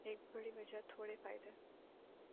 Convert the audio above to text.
ایک بڑِی وجہ تھوڑے فائدے